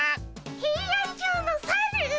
ヘイアンチョウのサル？